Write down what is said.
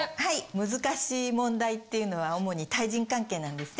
難しい問題っていうのは主に対人関係なんですね。